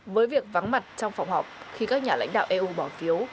với việc vắng mặt trong phòng họp khi các nhà lãnh đạo eu bỏ phiếu